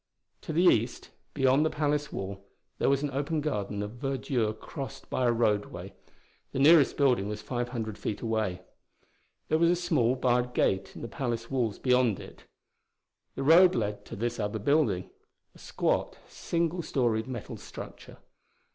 To the east, beyond the palace wall, there was an open garden of verdure crossed by a roadway. The nearest building was five hundred feet away. There was a small, barred gate in the palace walls beyond it. The road led to this other building a squat, single storied metal structure.